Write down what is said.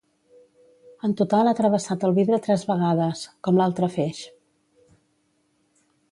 En total ha travessat el vidre tres vegades, com l'altre feix.